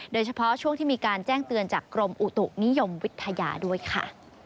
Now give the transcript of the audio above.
โดยเฉพาะช่วงที่มีการแจ้งเตือนจากกรมอุตุนิยมวิทยาด้วยค่ะ